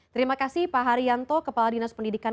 terima kasih pak haryanto kepala dinas pendidikan